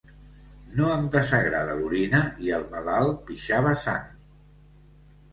No em desagrada l'orina, i el malalt pixava sang.